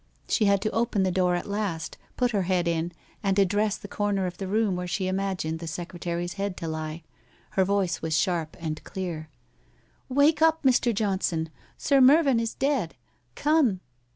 She had to open the door at last, put her head in, and ad dress the corner of the room where she imagined the sec retary's head to lie. Her voice was sharp and clear. ' "Wake up, Mr. Johnson. Sir Mervyn is dead. Come.'